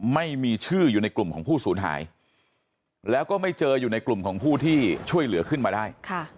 ไม่มีชื่ออยู่ในกลุ่มของผู้สูญหายแล้วก็ไม่เจออยู่ในกลุ่มของผู้ที่ช่วยเหลือขึ้นมาได้